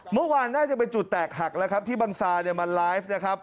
เมื่อวานน่าจะเป็นจุดแตกหักแล้วครับที่บังซาเนี่ยมาไลฟ์นะครับ